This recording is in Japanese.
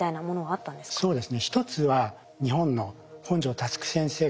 そうですね。